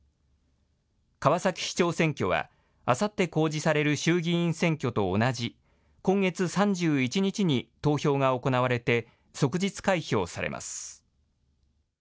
川崎市長選挙は、あさって公示される衆議院選挙と同じ今月３１日に投票が行われて、即日開票されます。